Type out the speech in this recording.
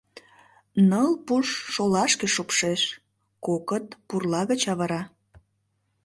Ныл пуш шолашке шупшеш, кокыт — пурла гыч авыра!..